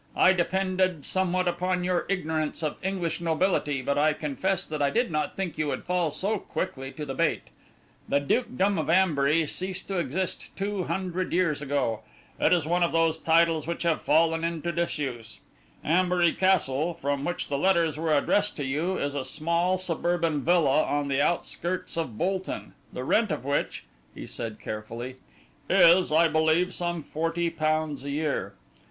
I depended somewhat upon your ignorance of English nobility, but I confess that I did not think you would fall so quickly to the bait. The Dukedom of Ambury ceased to exist two hundred years ago. It is one of those titles which have fallen into disuse. Ambury Castle, from which the letters were addressed to you, is a small suburban villa on the outskirts of Bolton, the rent of which," he said carefully, "is, I believe, some forty pounds a year.